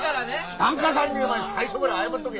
檀家さんにお前最初から謝っとけ。